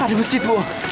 ada meski di buah